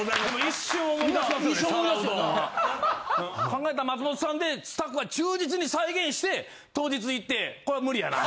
考えたん松本さんでスタッフは忠実に再現して当日行って。